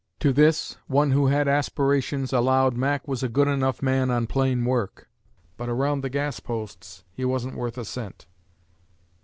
To this, one who had aspirations "allowed Mac was a good enough man on plain work, but around the gas posts he wasn't worth a cent."